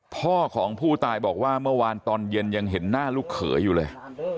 พ่อของผู้ตายบอกว่าเมื่อวานตอนเย็นยังเห็นหน้าลูกเขยอยู่เลย